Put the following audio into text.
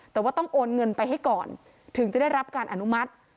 แต่ว่าต้องโอนเงินไปให้ก่อนถึงจะได้รับการอนุมัติ